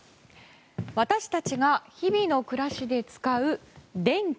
私たちが日々の暮らしで使う電気。